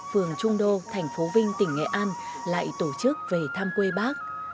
phường trung đô thành phố vinh tỉnh nghệ an lại tổ chức về thăm quê bác